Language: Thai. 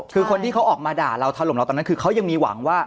คือคนที่เขาออกมาด่าเราถล่มเราตอนนั้นคือเขายังมีหวังว่า